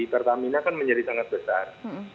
pertamina kan menjadi sangat besar